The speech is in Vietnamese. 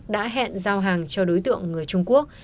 đã hẹn giao hàng cho đối tượng người trung quốc